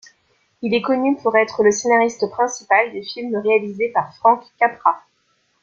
Il est connu pour être le scénariste principal des films réalisés par Frank Capra.